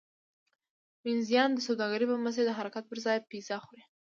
وینزیان د سوداګرۍ په مسیر د حرکت پرځای پیزا پخوي